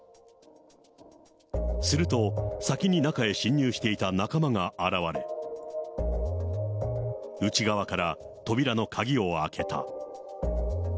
すると、先に中へ侵入していた仲間が現れ、内側から扉の鍵を開けた。